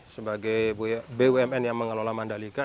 sebagai bumn yang mengelola mandalika